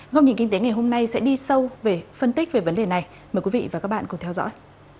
ngâm nhìn kinh tế ngày hôm nay sẽ đi sâu về phân tích về vấn đề này mời quý vị và các bạn cùng theo dõi